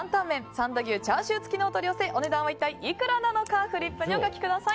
三田牛チャーシュー付きのお取り寄せお値段は一体いくらなのかフリップにお書きください。